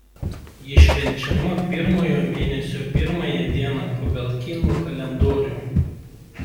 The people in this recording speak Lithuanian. Ji švenčiama pirmojo mėnesio pirmąją dieną pagal kinų kalendorių.